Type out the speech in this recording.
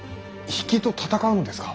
比企と戦うのですか。